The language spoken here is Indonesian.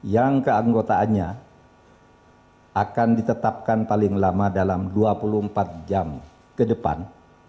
yang keanggotaannya akan ditetapkan paling lama dalam dua puluh empat jam ke depan